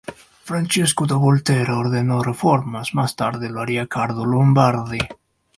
Francesco da Volterra ordenó reformas; más tarde lo haría Carlo Lombardi.